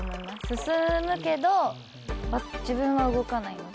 進むけど自分は動かないので。